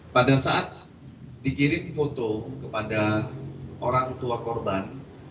pada saat dikirim foto kepada orang tua korban